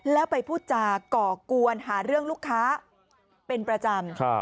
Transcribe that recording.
แล้วไปพูดจาก่อกวนหาเรื่องลูกค้าเป็นประจำ